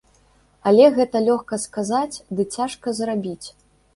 Але гэта лёгка сказаць, ды цяжка зрабіць!